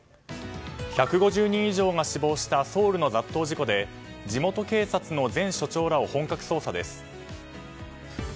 １５０人以上が死亡したソウルの雑踏事故で地元警察の前署長らを本格捜査です。